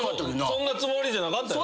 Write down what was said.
そんなつもりじゃなかったよな？